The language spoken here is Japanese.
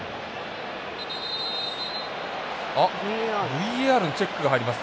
ＶＡＲのチェックが入ります。